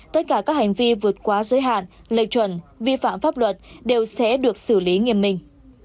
tất cả các hành vi vượt quá giới hạn lệ chuẩn vi phạm pháp luật đều sẽ được xử lý nghiêm minh